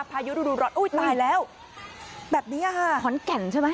พายุรูดูร้อนอุ้ยตายแล้วแบบนี้ค่ะขอนแก่นใช่ไหม